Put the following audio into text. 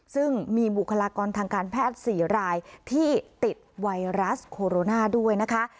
ซึ่งมีบุคลากรทางการแพทย์๔รายที่ติดไวรัสโคโรนาด้วยนะคะ